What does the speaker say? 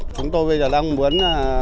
chúng tôi bây giờ đang muốn